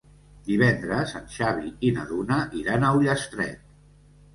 Divendres en Xavi i na Duna iran a Ullastret.